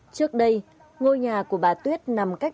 trước đây ngôi nhà của bà tuyết nằm cách